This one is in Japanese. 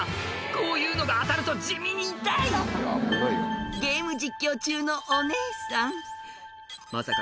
こういうのが当たると地味に痛いゲーム実況中のお姉さんまさか